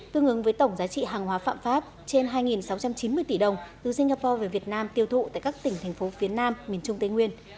tương ứng với tổng giá trị hàng hóa phạm pháp trên hai sáu trăm chín mươi tỷ đồng từ singapore về việt nam tiêu thụ tại các tỉnh thành phố phía nam miền trung tây nguyên